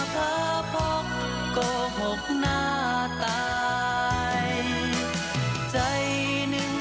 ครับตอนสักอย่าง